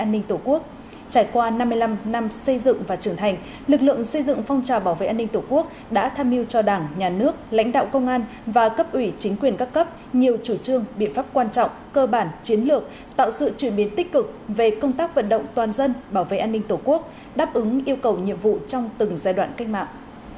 lực lượng xây dựng phong trào bảo vệ an ninh tổ quốc đã tham hiu cho đảng nhà nước lãnh đạo công an và cấp ủy chính quyền các cấp nhiều chủ trương biện pháp quan trọng cơ bản chiến lược tạo sự chuyển biến tích cực về công tác vận động toàn dân bảo vệ an ninh tổ quốc đáp ứng yêu cầu nhiệm vụ trong từng giai đoạn cách mạng